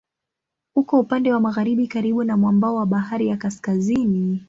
Uko upande wa magharibi karibu na mwambao wa Bahari ya Kaskazini.